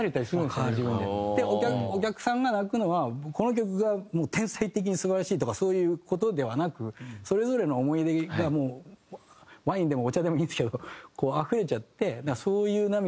でお客さんが泣くのはこの曲が天才的に素晴らしいとかそういう事ではなくそれぞれの思い出がもうワインでもお茶でもいいんですけどあふれちゃってそういう涙だと思う。